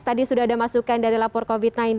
tadi sudah ada masukan dari lapor covid sembilan belas